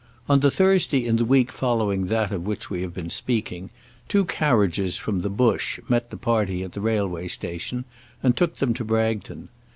On the Thursday in the week following that of which we have been speaking, two carriages from the Bush met the party at the Railway Station and took them to Bragton.